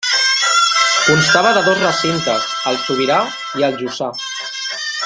Constava de dos recintes, el sobirà i el jussà.